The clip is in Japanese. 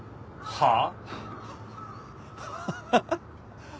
はあ？